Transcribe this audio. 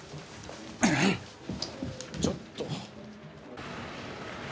ちょっと。